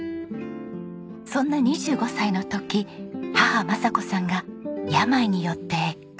そんな２５歳の時母政子さんが病によって帰らぬ人に。